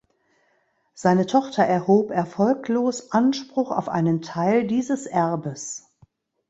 Seine Tochter erhob erfolglos Anspruch auf einen Teil dieses Erbes.